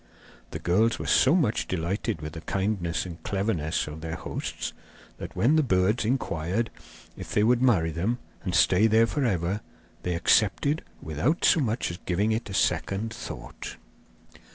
The girls were so much delighted with the kindness and cleverness of their hosts that, when the birds inquired if they would marry them and stay there for ever, they accepted without so much as giving it a second thought.